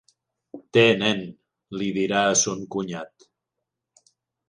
Té nen —li dirà a son cunyat—.